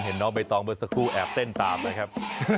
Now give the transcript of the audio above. เห็นน้องใบตองเบอร์สระครูแอบเต้นตามนะครับ